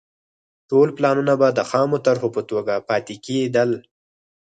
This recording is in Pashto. ټول پلانونه به د خامو طرحو په توګه پاتې کېدل.